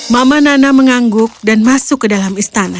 mama nana mengangguk dan masuk ke dalam istana